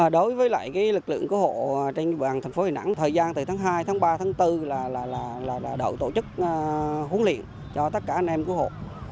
đối với lực lượng cứu hộ trên địa bàn thành phố đà nẵng thời gian từ tháng hai tháng ba tháng bốn là đội tổ chức huấn luyện cho tất cả anh em cứu hộ